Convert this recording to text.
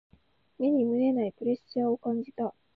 目に見えないプレッシャーを感じた。